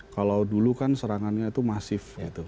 kalau dulu kan serangannya itu masif